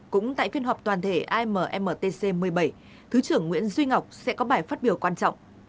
cũng tại phiên họp toàn thể ammtc một mươi bảy thứ trưởng nguyễn duy ngọc sẽ có bài phát biểu quan trọng